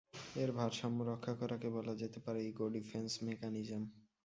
এর ভারসাম্য রক্ষা করাকে বলা যেতে পারে ইগো ডিফেন্স মেকানিজম।